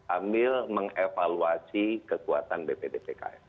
ambil mengevaluasi kekuatan bpd pks